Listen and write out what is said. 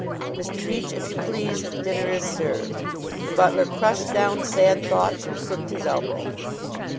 "Mr. Beach, if you please, dinner is served." The butler crushed down sad thoughts and crooked his elbow.